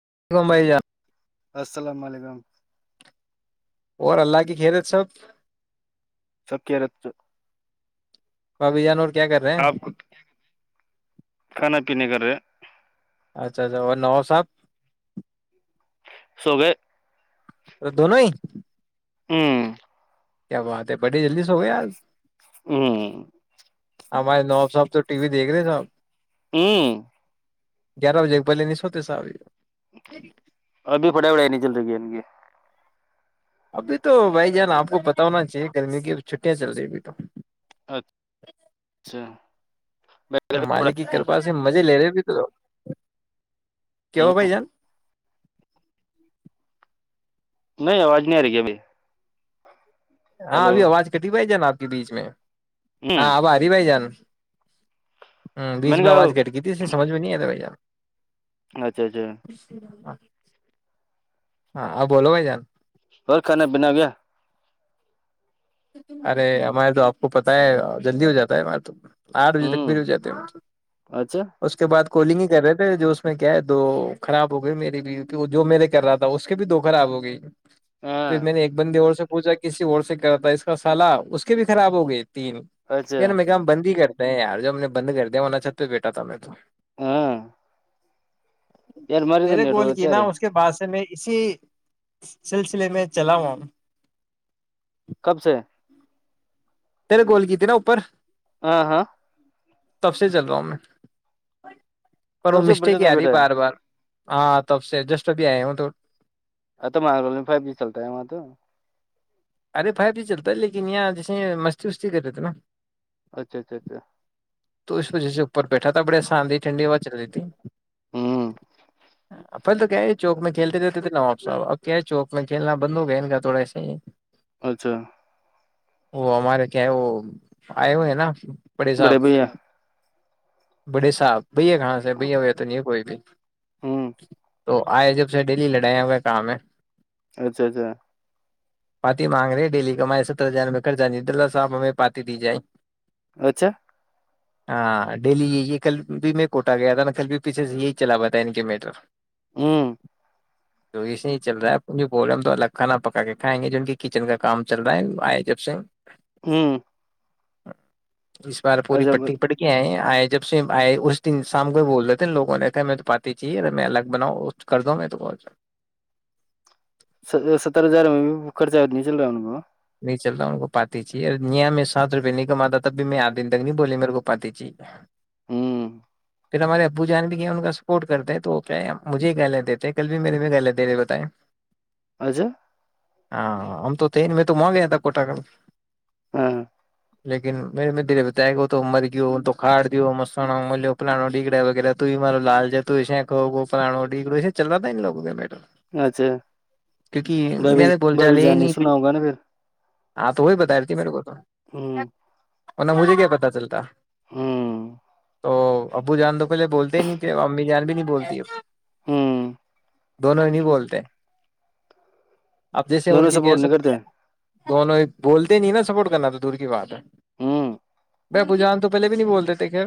[unintelligible] السلام علیکم اور اللہ کی خیرت سب [unintelligible] بابی جانور کیا کر رہے ہیں آپ کی ن کرھر اچھا اچھا اور نو صاب سوب ا دونوں ہی ہوں کیا بات ہے بڑے جلدی سے ہو گئے آج ہوں ہمارے نواب صاحب تو ٹی وی دیکھ رہے صاحب ہوں گیارہ بجے پہلے نہیں سوتےسا آج ابھی پڑائی وڑھائی نہیں چل رہی گ ان کی ابھی تو بھائی جانا آپ کو پتا ہونا چاہیے گرمی کی چھٹیاں چل رہی ہیں ابھی تو اچھا میں مالک کی کرپا سے مزے لے رہے [inaudible] کی ہو بھائی جان نہیں آوج نہیں آ رہ گیابائی ہاں ابھی آواز کٹی پائے ج ناپ کے بیچ میں ہ ہاں آب ہری بائی جان ہ بیچ نے میں آواز کر کہا گ تھی اس سمج میں نہیں آ تھا بائی ار اچھا اچھا ہاں آ بولو بھائی جان اور کھانا بنا گیا ارے ہمارے تو آپ کو پتہ ہے جلدی ہو جاتا ہے ہمارے ت آٹھ بجے تک پری ہو ہ جاتے ہیں اچھا اس کے بعد کولنگ ہی کر رہے تھے جو اس میں کیا ہے دو خراب ہو گئی میری بھی وہ جو میرے کر رہا تھا اس کے بھی دو خراب ہو گئی پھر ہاں میں نے ایک بندے اور س پوجا کسی اور سے کرتا ہے اس تو سال اس کی بھی خراب ہو گئی تین اچھا پ نا میں کام بندی کریں نہیں یار جو ہم نے بند کر دےوا چت تو بیٹا تھایں تو ہاں یار ماری تو تیرے نیٹ گول اچ کی نا رے اس کے بعد سے میں اسی سلسلے میں چلاؤا کب سے میرے گول کیت نا اوپر ہاں ہاں تب سے چل رہا ہوں میں پر وہ تب سے مسٹیک برجت ہی میں آ رہی بیٹھا بار بار ہاں تب سے جسٹ ابھی آئے ہوں تو ا تو مارول میں فائیو جی چلتا ہے وہاں تو ارے فائیو جی چلتا ہے لیکن یہاں جیسے مستی وستی کر رہے تھ نا اچھا اچھا اچھا تو اس وجہ سے اوپر بیٹھا تھا بڑی آسان ٹھنڈی ہوا چل رہتی تھی ہ پل تو کیا یہ چوک میں کھیلتے رہتے تھے نواب صحب اب کیا ہے چوک میں کھیلنا بند ہو گیا ان کا تھوڑا ایسا ہی اچھا وہ ہمارے کیا وہ آئے ہوئے ہیں نا پڑے صاب بڑے بھیا بڑے صاحب بھیا کہاں سے بھیا ہویا تو نہیں ہے کوئی بھی [inaudible] ہوں تو آئے جب سے ڈیلی لڑیا ہوئے کام ہے اچھا اچھا پاتی مانگ رہے ڈیلی کمائی سترہ ہزار میںوپئے خر جا دراسا آپ ہمیں پاتی دی جائے اچھا ہاں ڈیلی یہی ہے کل بھی میں کوٹہ گیا تھا ن کل بھی پیھے سے یہی چلا پا ان کے میٹر ہوں اسے چل رہا ہے بولم تو الک کھا نا پکا کے کھائیں گے کچن کا کام چل رہا ہے آئے جب سے ہوں [inaudible] اس بار پوری اچھا پٹی پٹک آئے ہیں آئے جب سے آئے اس دن شام کو بھی بول رہے تھے نا لوگوں نے کہ میں تو پارتآئی چاہیے میں الگ بناؤں کر دو میں تو بہ ستر ہزار میں خرچہ ا نہیں چل رہا ان کو نہیں چلتا ان کو پاتی چاہی یہیا میں سات روپئے نہیں کماتا تب بھی میں آھ دن تک نہیں بولی میرے کو پاتی چی ہوں پھر ہمارے ابو جان بھی ان کا سپورٹ کرتے ہیں تو وہ کیا مجے گیلیہ دیتے ہیں کل بھی میرے میں گلیہ دے رہے بتائیں اچھا ہاں ہم تو تین میں توگے تھا کوٹا گ [unintelligible] ہوں [unintelligible] لیکن مے د بتاائے گ تو مر گی تو کھڑ دی پانو ڈگڑا وغیرہ تو بھی مارو لال جا ش پلانو ڈگڑو چلتا تھا لووں کے بیٹ [unintelligible] اچھا میں بھی نے بول میں چال بھی ہی جانانی نہیں تھی، سناؤ گا ہاں تو وہ بتاائی تھی میرے کو ہوں تو مجھے کیا پتاہ چلتا ہوں تو ابو جان تو پہے بولتے ہی نہیں تھے ا امی جان بھی نہیں بولتی ہوں دونوں ہی نہیں بولتے اب جیسے ان دونوں کی کہہ سپورٹ نہیں کرتے سکتے دونوں ہی بولتے نہیں نا سپورٹ کرنا تو دور کی بات ہے ہوں ابو جان تو پہلے بھی نہیں بھولتے تھے خیر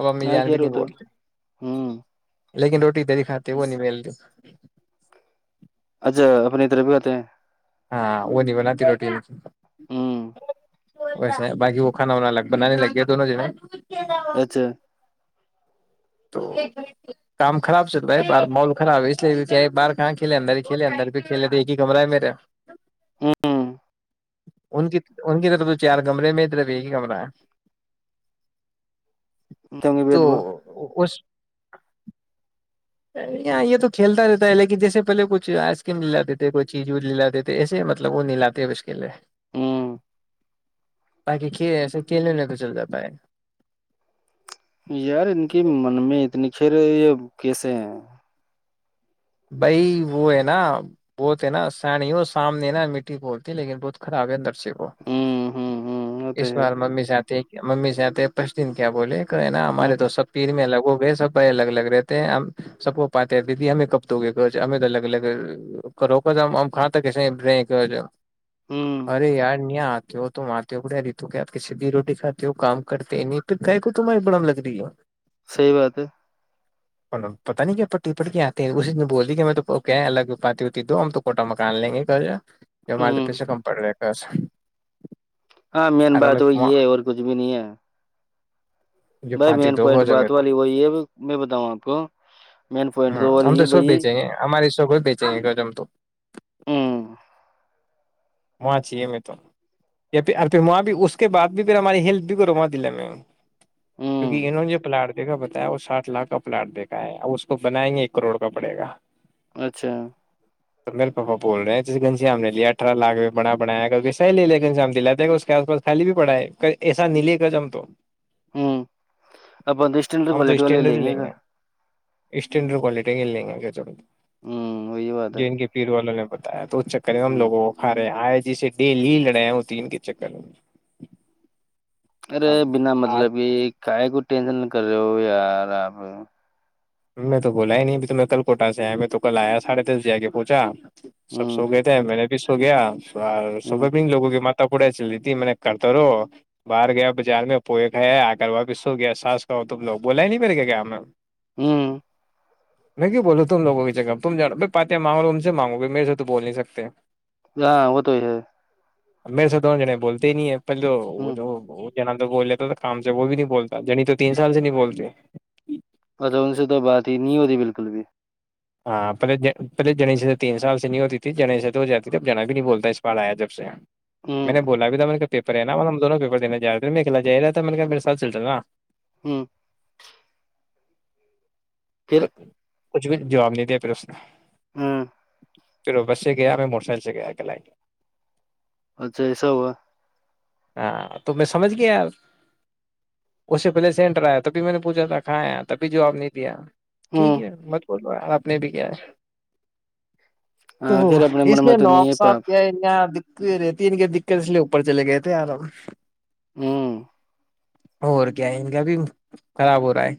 اب امی ہا جان بھی خیر وہ نہیں تو بولتے ہے لیکن روٹی تری کھاتی وہ نہیں ملتی اچھا اپنی ا طر بھی ہوتے ہیں ہاں وہ نہیں بناتی روٹی اچھی ہوں [unintelligible] ویسے بقی وہ کھانا وا بنانے لگ گیا دونوں جنے اچھا تو کام خراب سے تو بھائی ب مول خراب ہے اس لیے کیا باہار کہاں کھیلے اندر ہی کھیل اندر بھی کھیلے تھ ایک ہی کمرہ ہے میرا ہوں [unintelligible] ان کی ان کی طرف تو چار کمرے میں طرف ایک ہی کمرہ ہے تو بید با خوش اں یہ تو کھیلتا رہتا ہے لیکن جیسے پہلے کچھ آئس کریم لا دیتے تھے کوئی چیز وغیرہ لا دیتے تھے ایسے مطلب وہ نہیں لاتے اب اس کے لیے ہوں باقی کھیل ایسے کھیلوںنے تو چل جاتا ہے یار ان کے من میں اتنی پھر یہ کیسے ہیں بھائی وہ ہے نا وہ تو نا سنی ہو سامنے نا مٹی بولتی لیکن بہت خراب ہے اندر وہ ہ ہ ہ ہوتے اس ہے بار ممی چاہتے ہیں کہ ممی سے آتے پش دن کیا بولے نا ہ ہمارے تو سب پیر میں الگ وہ ب سب الگ الگ رہتے ہیں ہم سب کو پاتے ہیںیدی ہمیں ک ہمیں تو الگ الگ کروک ہم کاں کیسے رہے ہ ارے یار نیا آ [unintelligible] صحی بات ہے پتا نہیں کیا پٹی پٹ کے آتے ہیں اسسی بول دی کہ میں تو کہ الگ پاتی ہوتی دو ہم تو کوٹا مکان لیں گے گھر یہ ہمار تو ہوں پیسے کم پڑ رہے اچھا ہاں مین بات وہ یہ ہے اور کچھ بھی نہیں ہے جو بھائی پاتی مین دو پوائنٹ ہو جائے میں بات تو والی وہی ہے میں بتاؤں آپ کو مین پوائنٹ تو ہوں، ہم یہ تو سو بھائی بیہچے گے ہماری شو کوئی بیہچے گے گ ہم تو ہوں وہاں چاہیے میں تو پھر پھر وہاں بھی اس کے بعد بھی پھر ہماری ہیلپ بھی کرو وہاں دلہ میں کیونکہ ہوں انہوں ج پلاڑ کے دیکھا بتایا وہ سٹھ لاکھ کا پلاٹ دیکھا ہے اس کو بنائیں گے ایک کروڑ کا پڑے گا اچھا تو میرے پاپا بول رہے ہیںے گنجیاام نے لیا اٹارہ لاکھ بڑا بنایا صح لے لیکن شام دلاتے اس کے آس پس خالی بھی پڑاائے ایسا نہیں لے گ ہم تو ہوں اب پندرہ اسٹینڈر کوالٹی والے لیں گے گا اسس اینر کوالٹی گگ لےگ کیا چ ہوں وہی بات ہے جن کے پیر والوں نے بتایا تو اس چکر ہے ہم ہوں لوگوں کو آئے جیسے ڈیلی ہی لڑے ہیں وہ تین کے چکر میں ارے اب بنا آج مطلب یہ کائے گ ٹینشن کر رہے ہو یار آپ میں تو بولا ہی نہیں تہ کل کوٹا سے آیا میں تو کل آیا سڑھے دس سے آ کے پوچھا سب سو گئے ہوں تھے ہیں میں نے بیس ہو گیا اور سب بھین لگوں کے مات پ پوڑے چل رہی تھی میں نے کرتے رو باہر گیا بازار میں پوئے کھیا آ کر واپ سو گیا ساس کا تم لوگ بولا ہی نہیں مے کے کیا ہم ہوں میں کی بول رہوں تمووں کی جگہ تم جانو ب باتیا مانگو ت سے مانگو گے میر سے تو بول نہیں سکتے ہاں وہ تو ہوئی س میرے سےات دوونوں جنے بولتے ہی نہیں ہیں پہلو ہ وہ جو ب جنا تو بول لیتا تو کام سے وہ بھی نہیں بولتا جنی تو تین سال سے نہیں بولتے ان سے تو بات ہی نہیں ہوتی بالکل بھی ہاں پہلے پہل جڑی سے تو تین سال سے نہیں ہوتی تھی جنی سے تو ہو جاتی تب جنا بھی نہیں بولتا ہے اس بار آیا جب سے ہ میں نے بولا بھی تھا میں نے پیپر ہے ن مطب دونوں پیپر دنے جا رہ ہیں میں کلا جا رہا تھا میںط نے کہ میرے سات چل رہا ہوں [unintelligible] پھر کت [unintelligible] کچھ بھی جاب نہیں دے پشن ہوں پھر بس سے گیا میں موٹر سائیکل سے گیا کہ ل اچھا ایسا ہوا ہاں تو میں سمجھ گیا یار اس سے پہلے سے انٹر آیا تبھی میں نے پوچھا تھا کھاں آ تبھی جواب نہیں دیا ہ ٹھیک ہے مت بولو آپ نے بھی کیا تو ہاں پھر اپنے اس من میں لیے تو نہیں ناب ہے پا صاحب کیا تو یہ رہےتی ان کی دقت اس لیے اوپر چلے گئے تھے آرام ھمم اور کیا ہے کیا بھی خراب ہو رہا ہے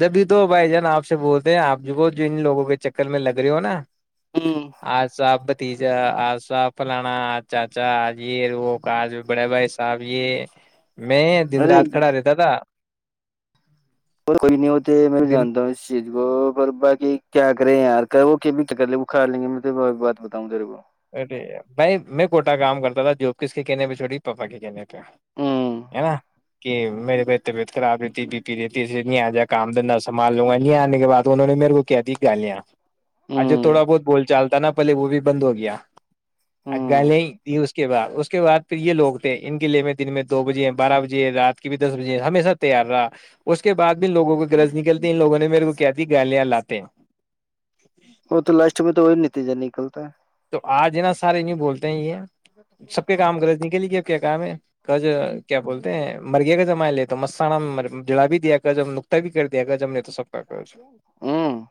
جبھی تو بھائی جان آپ سے بولتے ہیں آپ کو ان لوگوں کے چکر میں لگ رہے ہو نا ہوں آاں سا آپ [unintelligible] ا آجا فلانا چاچا آج وہو آج بڑے بھائی صاحب یہ میں دن ارے رات کھڑا رہتا تھا کوئی نہیں ہوتے میں بھی دن جانتا ہوں اس چیز کو پر باق کیا کرے یار کر وہ بھی کر لے وہ کھا لیں گے میں تو بات بتاؤں تیرے کو بھائی میں کوٹا کام کرتا تھا جو کس کے کہنے پہ چھوٹی پاپا کے کہنے پ ہوں ہے ن کہ میرے پ طبیعت خراب رہتی بی پی رہتی نہیں آ جا کام د سامان لوں گا یہ آنے کے بعد دونوں نے میرے کو کیا تھی گالیاں آ جو ہوں تھوڑا بہت بول چال تھا نا پلے وہ بھی بند ہو گیا ہوں گالیا ت اس کے بعد اس کے بعد پھر یہ لوگ تھے ان کے لیے میں دن میں دو بجے بارہ بجے رات کے بھی دس بجے ہمیشہ تیار رہا اس کے بعد بھیوگوں کی گرج نکلتی ان لوگوں نے میرے کو کیا ت گالیاں لاتے ہیں وہ تو لاسٹ میں تو وہی نتی جانی ٹتا ہے [unintelligible] تو آج نا سارے یو بولتے ہیں یہ سب کے کام رض نکلے گ اب کیا کام ہے گ کیا بولتے ہیں مرگے کا جمان لے تو مسانا میں جڑا بھی دیا گ جب نقتہ بھی کر دیا گ جب نے تو سب کا کہ ہے ہوں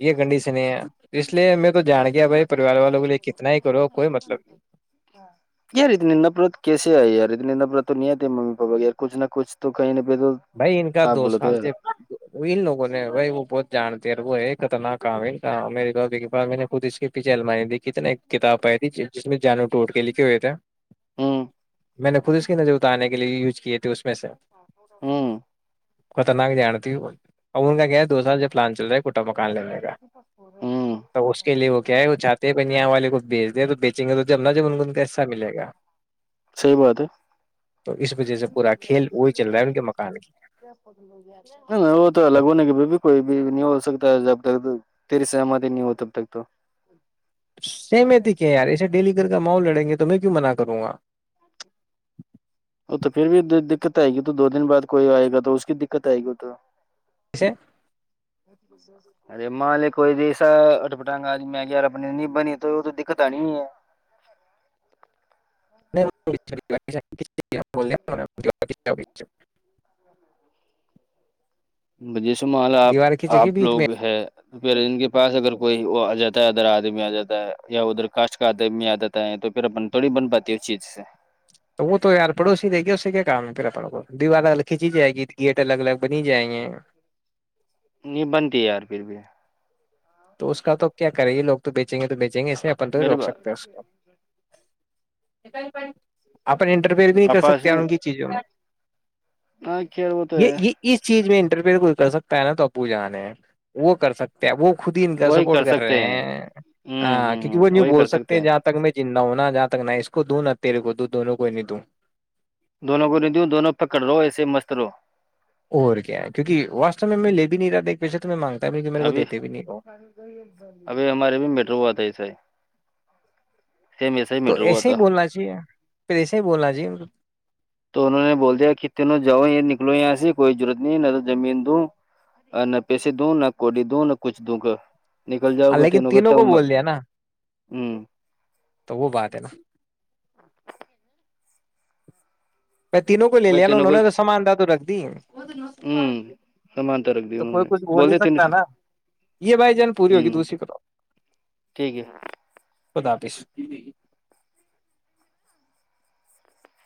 یہ کنڈیشن ہے اس لیے میں تو جان گیا بھائی پریوار والوں کے لیے کتنا ہی کرو کوئی مطلب نہیں کیا ری نندپوت کی یار اتنےب تو نہیںیا مممی پاپا ی کچھ نہ کچھ تو کئی [unintelligible] بھائی ان کا دو سال سے ان لوگوں [unintelligible] بھائی وہ بہت جانتے وہ خطرناک آام میے باا میں نے خود اس کے پیھے المائ دی ایک کتاب پائی تھی جس میں جانو ٹوٹ کے لکھے ہوئے تھے ہوں میں نے خود اس کی نظر اتارنے کے لیے یوز کیے تھے اس ویسے [unintelligible] ہوں خطرناک جانا ت ا ان کا کیا ہے دو سال جوب پلان چل رہا ہے کوٹا مکان لینے کا ہوں تو اس کے لیے وہ کیا ہے وہ چاہے ہیں کہ یہاں والے کو بیچ د تو بیچیں گے تو جب نہ جب ان کو ان کو حصہ ملے گا صحیح بات تو اس وجہ سے پورا کھیل وہی چل رہ ہے کہ [unintelligible] وہ تو الگ ہونے کے بھی کوئی بھی نہیں ہو سکتا جب تری سمات نہیں ہوتاب تک تو سمتی کیا ارس ڈلی [unintelligible] کا ماؤ لڑیں گے تو میں کیوں منع کروں گا وہ تو پھر بھی دقت آئے گی تو دو دن بعد کوئی آئے گا تو اس کی دقت آئے گی تو اسے [unintelligible] ارے م لے کوئی دسا اٹپٹاگا آج میں ار اپنی نہیں بنی تو ا تو دقت آنی ہے [unintelligible] بجی شمال آپ کھینچے آپ گی بیچ میں لوگ ہے پھر ان کے پاس اگر کوئی وہ آ جاتا ہے ادر آدمی آ جاتا ہے یا ادھر کاسٹ کا آدمی آ جاتا ہے تو پھر اپن تھوڑی بن پاتی ہے اس چیز سے تو وہ تو یار پڑوسی دے گی اس سے کیا کام ہے پیرا پڑ کو دیوار کھینچی جائے گی گیٹ الگ الگ بنی جائیں گے نہیں بنتی ہے یار پھر بھی تو اس کا تو کیا کریں گے لگ تو بیچیں گے تو بیچ جیں گے اس میں اپن تو میرے روک سکتے ہیں اس کو [unintelligible] اپن انٹرفیئر بھی نہیں کر پاپا سکتے ہیں سے ان کی چیزوں میں ہاں خیر وہ تو یہ ہے یہ اس چیز میں نہیں پ کھ کر سکتا ہے نا توو جانے وہ کر سکتے ہیں وہ خود ہی ان کا سپورٹ کر رہے ہیں ہوں کیونکہ وہ ہ ہ یوں وہی بول کر سکتے ہیں جہاں تک م ج نہ ہونا جہاں تک نہ اس کو دوں نا تیرے کو د دونوں کو ہی نہیں دوں دونوں کو ردیوں دونوں پکڑ رہو ایسے مست رو اور کیا ہے کیونکہ واس میں میں لے بھی نہیں رہا ایک پیچے تو میں مانگ ابھی ابھی ہمارے بھی مٹرو ہوا تھا ایس ہی سیم ایسا ہی تو میٹر ہوا ایسے ہی تھا بولنا چاہیے پھر ایسے ہی بولنا چاہیے تو انہوں نے بول دیا کتنے ن جاؤ یہ نکلو یہاں سے کوئی ضرورت نہیں نہ تو زمین دوں نہ پیسے دوں نہ کوڈی دوں نہ کچھ دوں گا نکل جاؤ ہ گا لیکن کا تینوں تب کو بول دیا نا ہوں تو وہ بات ہے نا میں تینوں کو لے بھائی لیا نا تینوں انہوں کو نے تو سامان د تو رکھ دی ہوں سمانتا رکھ دی تو انہوں کوئی نے کچھ بول نہیں دیا تینوں سکتا سے نا یہ بھائی جان پوری ہوگی ہوں دوسری طر ٹھیک ہے قدپ ستی نہیں